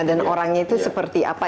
dan orangnya itu seperti apa